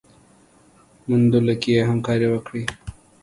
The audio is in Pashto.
موندلو کي يې همکاري وکړئ